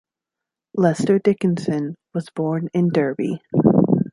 Lester Dickinson was born in Derby.